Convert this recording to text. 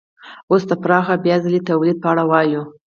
اوس د پراخ بیا ځلي تولید په اړه وایو